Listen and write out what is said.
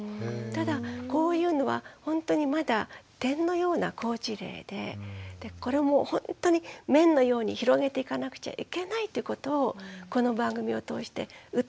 ただこういうのはほんとにまだ点のような好事例でこれもほんとに面のように広げていかなくちゃいけないということをこの番組を通して訴えたいと思いますね。